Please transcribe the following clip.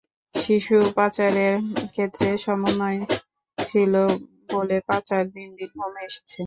শিশু পাচারের ক্ষেত্রে সমন্বয় ছিল বলে পাচার দিন দিন কমে এসেছে।